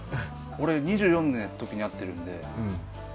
俺２４の時に会ってるんで。